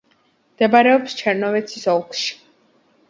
მდებარეობს ჩერნოვცის ოლქში.